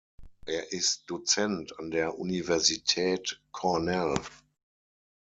Er ist Dozent an der Universität Cornell.